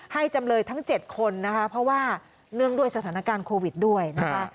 จำเลยทั้ง๗คนนะคะเพราะว่าเนื่องด้วยสถานการณ์โควิดด้วยนะคะ